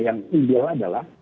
yang ideal adalah